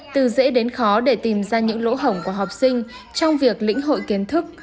từ dễ đến khó để tìm ra những lỗ hổng của học sinh trong việc lĩnh hội kiến thức